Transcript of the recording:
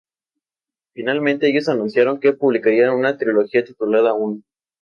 Finalmente, ellos anunciaron que publicarían una trilogía titulada "¡Uno!